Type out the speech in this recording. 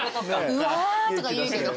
「うわ」とか言うけど。